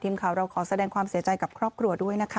ทีมข่าวเราขอแสดงความเสียใจกับครอบครัวด้วยนะคะ